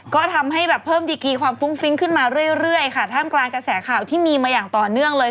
ก็ทำให้แบบเพิ่มดีกีความฟุ้งฟิ้งขึ้นมาเรื่อยค่ะท่ามกลางกระแสข่าวที่มีมาอย่างต่อเนื่องเลย